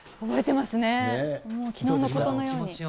もうきのうのことのように。